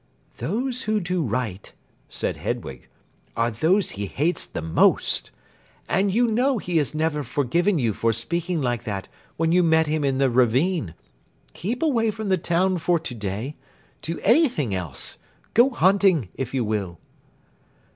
"Those who do right," said Hedwig, "are those he hates the most. And you know he has never forgiven you for speaking like that when you met him in the ravine. Keep away from the town for to day. Do anything else. Go hunting, if you will."